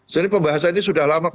jadi pembahasan ini sudah lama